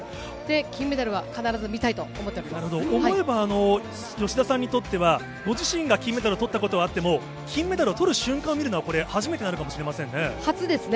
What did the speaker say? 金メダルは必ず見たいと思っておなるほど、思えば、吉田さんにとっては、ご自身が金メダルをとったことはあっても、金メダルをとる瞬間を見るのはこれ、初めてとなるかもしれませんね。